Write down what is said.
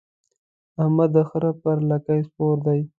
احمد د خره پر لکۍ سپور دی.